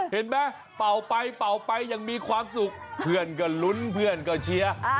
เป่าไปเป่าไปยังมีความสุขเพื่อนก็ลุ้นเพื่อนก็เชียร์